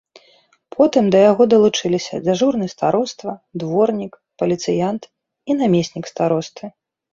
Потым да яго далучыліся дзяжурны староства, дворнік, паліцыянт і намеснік старосты.